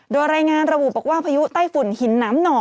โดยรายงานระบุบอกว่าพายุใต้ฝุ่นหินน้ำหน่อ